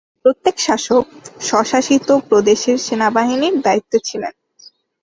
প্রত্যেক শাসক স্বশাসিত প্রদেশের সেনাবাহিনীর দায়িত্বে ছিলেন।